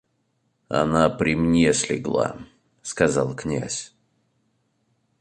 Она при мне слегла, — сказал князь.